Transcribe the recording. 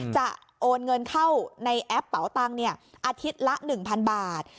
โอนเงินเข้าในแอปเป๋าตังค์อาทิตย์ละ๑๐๐๐บาท